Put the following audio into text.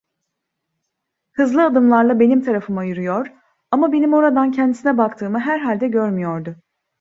Hızlı adımlarla benim tarafıma yürüyor, ama benim oradan kendisine baktığımı herhalde görmüyordu.